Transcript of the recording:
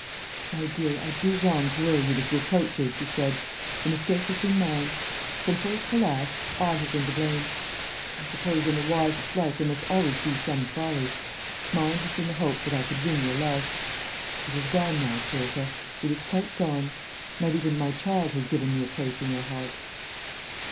"My dear, I do wrong to worry you with reproaches," he said. "The mistake has been mine. From first to last, I have been to blame. I suppose in the wisest life there must always be some folly. Mine has been the hope that I could win your love. It has gone now, Clarissa; it is quite gone. Not even my child has given me a place in your heart."